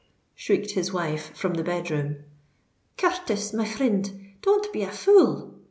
shrieked his wife from the bed room. "Curthis, my frind—don't be a fool!"